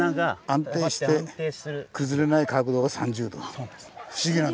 安定して崩れない角度が３０度。